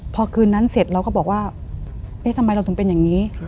พอคืนนั้นเสร็จเราก็บอกว่าเอ๊ะทำไมเราถึงเป็นอย่างนี้